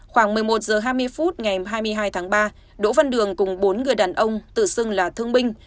khoảng một mươi một h hai mươi phút ngày hai mươi hai tháng ba đỗ văn đường cùng bốn người đàn ông tự xưng là thương binh